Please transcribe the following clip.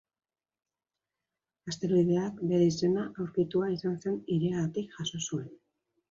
Asteroideak, bere izena, aurkitua izan zen hiriagatik jaso zuen.